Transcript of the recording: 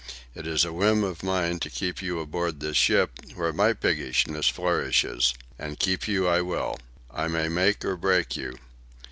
It is a whim of mine to keep you aboard this ship, where my piggishness flourishes. And keep you I will. I may make or break you.